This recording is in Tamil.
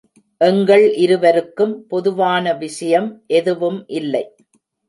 எங்கள் இருவருக்கும் பொதுவான விஷயம் எதுவும் இல்லை.